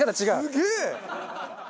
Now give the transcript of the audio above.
すげえ！